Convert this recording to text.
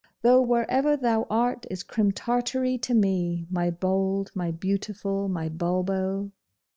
Though wherever thou art is Crim Tartary to me, my bold, my beautiful, my Bulbo!